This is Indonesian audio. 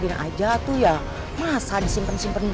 emang aku udah nak kitabin